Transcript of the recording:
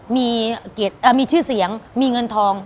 มีชื่อเสียงมีเงินทอง